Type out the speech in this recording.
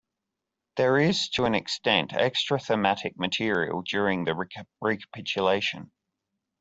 There is to an extent extra thematic material during the recapitulation.